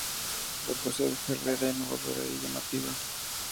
La poesía de Ferrer era innovadora y llamativa.